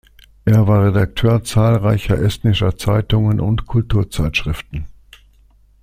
Er war Redakteur zahlreicher estnischer Zeitungen und Kulturzeitschriften.